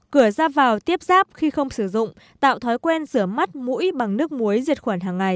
cửa giáp vào tiếp giáp khi không sử dụng tạo thói quen rửa mắt mũi bằng nước muối diệt khuẩn hàng ngày